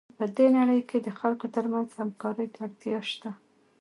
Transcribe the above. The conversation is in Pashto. په دې نړۍ کې د خلکو ترمنځ همکارۍ ته اړتیا شته.